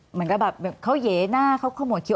เหมือนก็แบบเขาเหย่หน้าเขาเข้าหมดคิ้ว